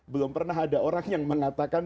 belum pernah ada orang yang mengatakan